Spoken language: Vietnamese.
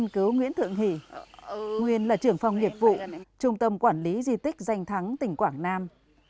nguyên là trưởng phòng nghiệp vụ trung tâm quản lý di tích danh thắng tỉnh quảng nam